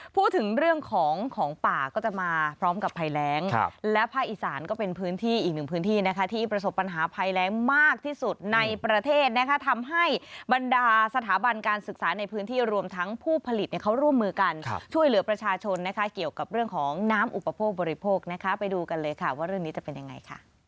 พูดถึงเรื่องของของป่าก็จะมาพร้อมกับภัยแรงและภาคอีสานก็เป็นพื้นที่อีกหนึ่งพื้นที่นะคะที่ประสบปัญหาภัยแรงมากที่สุดในประเทศนะคะทำให้บรรดาสถาบันการศึกษาในพื้นที่รวมทั้งผู้ผลิตเขาร่วมมือกันช่วยเหลือประชาชนนะคะเกี่ยวกับเรื่องของน้ำอุปโภคบริโภคนะคะไปดูกันเลยค่ะว่าเรื่องนี้จะเป็นยังไงค่ะ